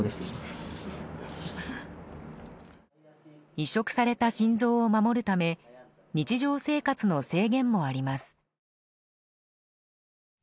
移植された心臓を守るため日常生活の制限もあります。